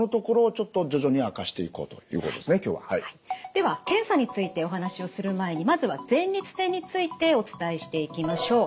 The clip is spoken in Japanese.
では検査についてお話をする前にまずは前立腺についてお伝えしていきましょう。